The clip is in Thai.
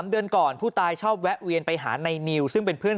เดือนก่อนผู้ตายชอบแวะเวียนไปหาในนิวซึ่งเป็นเพื่อน